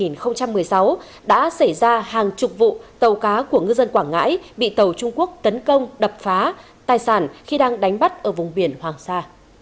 năm hai nghìn một mươi sáu đã xảy ra hàng chục vụ tàu cá của ngư dân quảng ngãi bị tàu trung quốc tấn công đập phá tài sản khi đang đánh bắt ở vùng biển hoàng sa